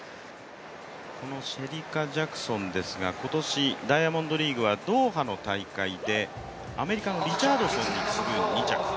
このシェリカ・ジャクソンですけれども、今年ダイヤモンドリーグはドーハの大会でアメリカのリチャードソンに次ぐ２着。